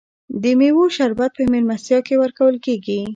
د میوو شربت په میلمستیا کې ورکول کیږي.